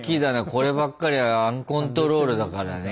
こればっかりはアンコントロールだからね。